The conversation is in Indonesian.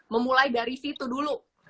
memulai dari situ dulu